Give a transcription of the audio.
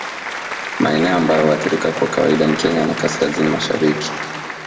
Maeneo ambayo huathirika kwa kawaida ni Kenya na kaskazini mashariki